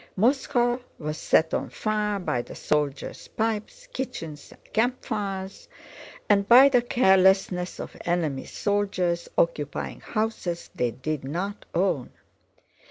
Moscow was set on fire by the soldiers' pipes, kitchens, and campfires, and by the carelessness of enemy soldiers occupying houses they did not own.